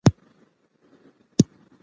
لوستې میندې د ماشومانو د خوب کیفیت ښه ساتي.